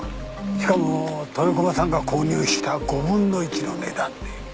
しかも豊駒さんが購入した５分の１の値段で。